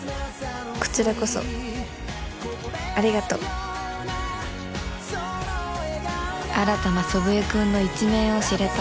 こちらこそありがとう新たな祖父江君の一面を知れた